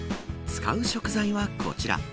使う食材はこちら。